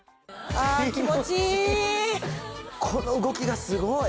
この動きがすごい。